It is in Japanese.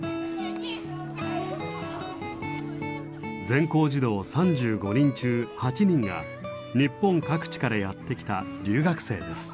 全校児童３５人中８人が日本各地からやって来た留学生です。